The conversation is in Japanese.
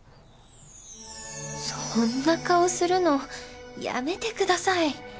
そんな顔するのやめてください。